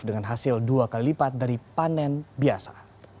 dengan hasil dua kali lipat dari panen biasa